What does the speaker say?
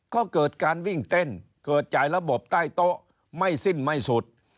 ก็เกิดการวิ่งเต้นเกิดจ่ายระบบใต้โต๊ะไม่สิ้นไม่สุด